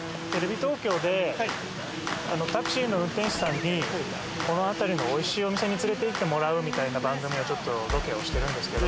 タクシーの運転手さんにこの辺りの美味しいお店に連れていってもらうみたいな番組をちょっとロケをしてるんですけど。